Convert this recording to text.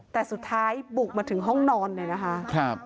แต่สุดท้ายบุกมาถึงห้องนอนเลยนะคะ